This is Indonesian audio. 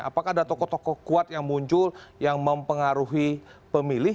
apakah ada tokoh tokoh kuat yang muncul yang mempengaruhi pemilih